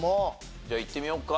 じゃあいってみようか。